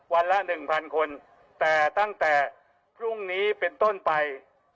วันละ๑๐๐คนแต่ตั้งแต่พรุ่งนี้เป็นต้นไป